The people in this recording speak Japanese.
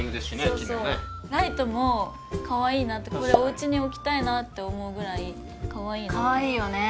木のライトもかわいいなってこれおうちに置きたいなって思うぐらいかわいいお気に入りかわいいよね